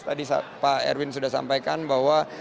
tadi pak erwin sudah sampaikan bahwa